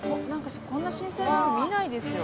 こんな新鮮なの見ないですよ。